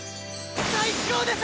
最高です！